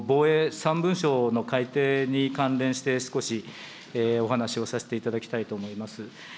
３文書の改定に関連して、少しお話をさせていただきたいと思います。